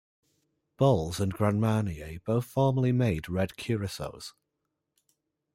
Bols and Grand Marnier both formerly made red curacaos.